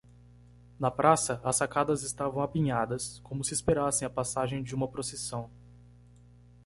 Na praça, as sacadas estavam apinhadas, como se esperassem a passagem de uma procissão.